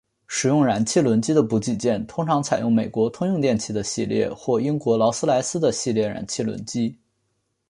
使用燃气轮机的补给舰通常采用美国通用电气的系列或英国劳斯莱斯的系列燃气轮机。